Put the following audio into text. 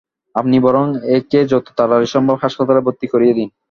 আপনি বরং একে যত তাড়াতাড়ি সম্ভব হাসপাতালে ভর্তি করিয়ে দিন।